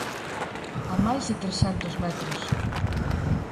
A máis de trescentos metros.